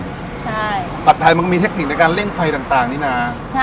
ใช่ผัดถาดมันก็มีเทคนิคในการเล่งไฟต่างต่างนี่น่ะใช่